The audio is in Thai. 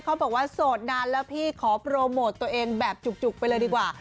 เขาบอกว่าโสดนานแล้วพี่ขอโปรโมทตัวเองแบบจุกไปเลยดีกว่า